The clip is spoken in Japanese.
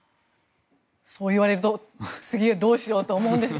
そう言われると次どうしようと思うんです。